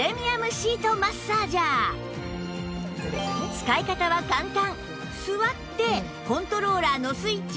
使い方は簡単